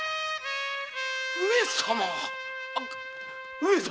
上様！